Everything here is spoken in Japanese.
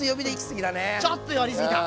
ちょっとやりすぎた！